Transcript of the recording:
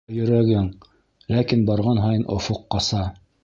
Ә йөрәгең — Ләкин барған һайын офоҡ ҡаса.